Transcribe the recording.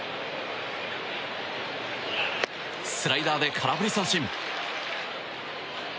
スライダーで空振り三振。